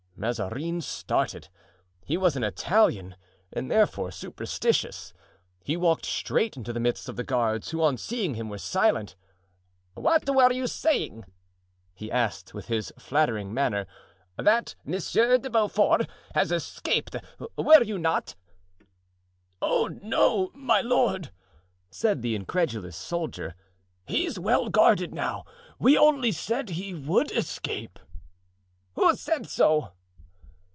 Mazarin started. He was an Italian and therefore superstitious. He walked straight into the midst of the guards, who on seeing him were silent. "What were you saying?" he asked with his flattering manner; "that Monsieur de Beaufort had escaped, were you not?" "Oh, no, my lord!" said the incredulous soldier. "He's well guarded now; we only said he would escape." "Who said so?"